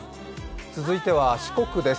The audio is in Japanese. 続いては四国です。